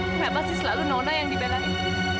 kenapa sih selalu nona yang dibelain